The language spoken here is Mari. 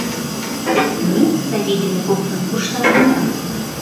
Ме, Савий дене коктын, кушталтена!